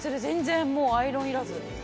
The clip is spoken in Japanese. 全然もうアイロンいらず。